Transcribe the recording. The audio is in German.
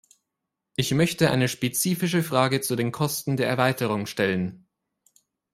Ich möchte eine spezifische Frage zu den Kosten der Erweiterung stellen.